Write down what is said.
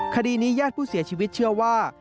คดีนี้ญาติผู้เสียชีวิตเชื่อว่า